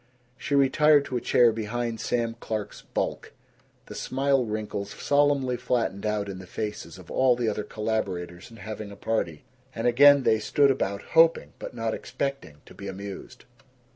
She retired to a chair behind Sam Clark's bulk. The smile wrinkles solemnly flattened out in the faces of all the other collaborators in having a party, and again they stood about hoping but not expecting to be amused.